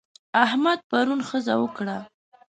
احمد پرون ښځه وکړه.